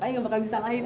ayah gak bakal bisa lahir